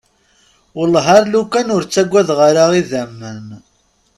Wellah alukan ur ttagadeɣ ara idamen.